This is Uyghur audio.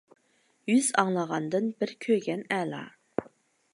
يۈز ئاڭلىغاندىن بىر كۆرگەن ئەلا.